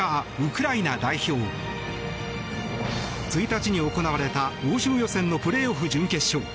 １日に行われた欧州予選のプレーオフ準決勝。